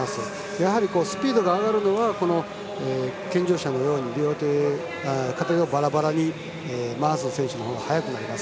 やはりスピードが上がるのは健常者のように片手をバラバラに回す選手のほうが速くなります。